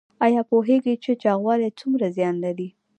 ایا پوهیږئ چې چاغوالی څومره زیان لري؟